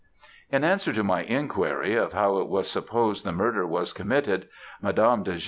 In answer to my enquiry, of how it was supposed the murder was committed, Madame de G.